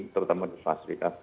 terutama di fasilitas